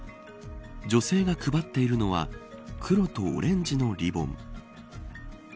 女性が配っているのは黒とオレンジのリボン。